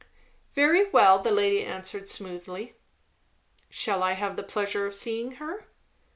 "Very well!" the lady answered smoothly. "Shall I have the pleasure of seeing her?"